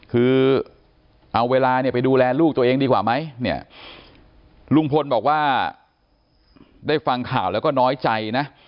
คือเอาเวลาเนี่ยไปดูแลลูกตัวเองดีกว่าไหมเนี่ยลุงพลบอกว่าได้ฟังข่าวแล้วก็น้อยใจนะ